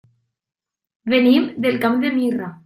Venim del Camp de Mirra.